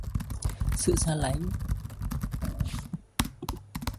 sự xa lánh